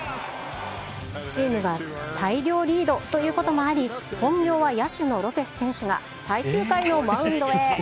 チームが大量リードということもあり、本業は野手のロペス選手が、最終回のマウンドへ。